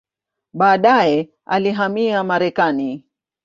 Baadaye alihamia Marekani.